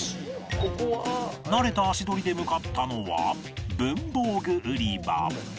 慣れた足取りで向かったのは文房具売り場